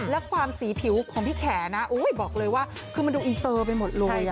และความสีผิวของพี่แขนะบอกเลยว่าคือมันดูอินเตอร์ไปหมดเลย